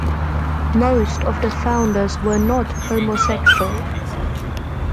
Most of the founders were not homosexual.